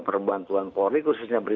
perbantuan polri khususnya